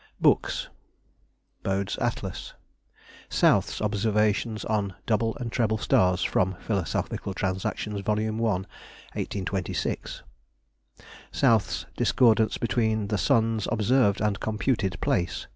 BOOKS. Bode's Atlas. South's Observations on Double and Treble Stars, from Phil. Transactions, Vol. I., 1826. South's Discordance between the Sun's observed and computed Place.